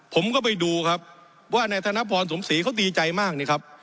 ผมก็ไปดูครับว่านายธนพรสมศรีเขาดีใจมากนี่ครับ